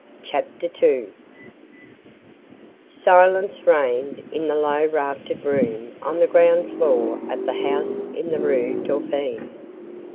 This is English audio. II Silence reigned in the low raftered room on the ground floor of the house in the Rue Dauphine.